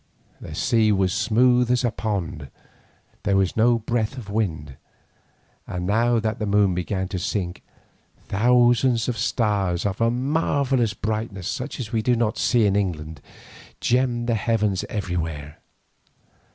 The sea was smooth as a pond, there was no breath of wind, and now that the moon began to sink, thousands of stars of a marvellous brightness, such as we do not see in England, gemmed the heavens everywhere.